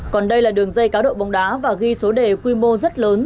còn đây là đường dây cá độ bóng đá và ghi số đề quy mô rất lớn